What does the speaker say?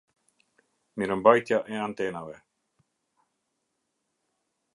Mirembajtja e antenave